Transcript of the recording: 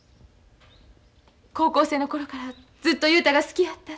高校生の頃からずっと雄太が好きやったって。